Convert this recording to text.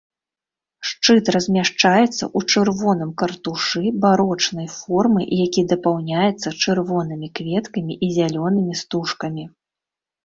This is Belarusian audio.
Шчыт размяшчаецца ў чырвоным картушы барочнай формы, які дапаўняецца чырвонымі кветкамі і зялёнымі стужкамі.